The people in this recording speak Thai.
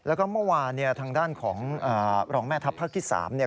แล้วก็เมื่อวานทางด้านของรองแม่ทัพภาคที่๓